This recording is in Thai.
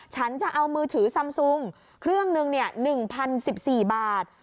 ฉันจะเอามือถือซำซุงเครื่องหนึ่ง๑๐๑๔บาท